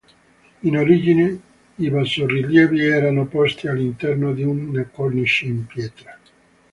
In origine i bassorilievi erano posti all'interno di una cornice in pietra.